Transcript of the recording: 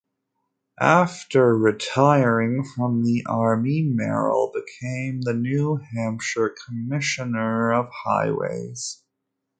After retiring from the Army, Merrill became the New Hampshire Commissioner of Highways.